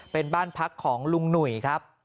เป็นบ้านพักของลุงหนุ่ยครับ